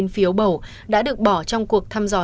một trăm bốn mươi chín phiếu bầu đã được bỏ trong cuộc thăm dò